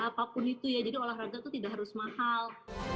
apapun itu ya jadi olahraga itu tidak harus mahal